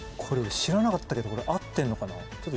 これ知らなかったけど合ってんのかな？